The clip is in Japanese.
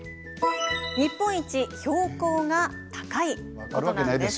日本一標高が高いということなんです。